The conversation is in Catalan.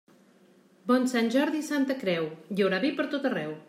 Bon Sant Jordi i Santa Creu, hi haurà vi pertot arreu.